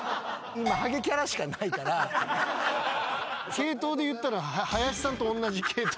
系統でいったら。